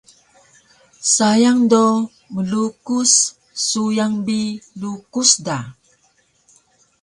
Sayang do mlukus suyang bi lukus da